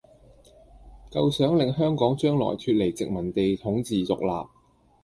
構想令香港將來脫離殖民地統治獨立